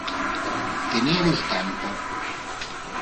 Tenere il tempo.